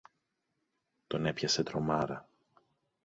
Τον έπιασε τρομάρα.